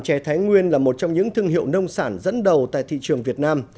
chè thái nguyên là một trong những thương hiệu nông sản dẫn đầu tại thị trường việt nam